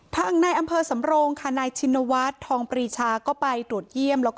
ทางในอำเภอสำโรงขณะชินวัฒน์ทองปริชาก็ไปรวมเยี่ยม